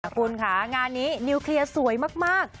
คุณค่ะงานนี้นิวเคลียร์สวยมาก